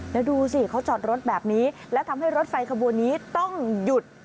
แล้วดูสิเขาจอดรถแบบนี้และทำให้รถไฟขบวนนี้ต้องหยุด